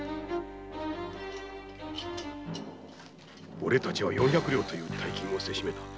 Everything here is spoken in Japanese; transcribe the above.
俺たちは四百両という大金をせしめた。